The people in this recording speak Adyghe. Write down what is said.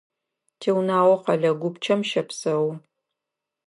Тиунагъо къэлэ гупчэм щэпсэу.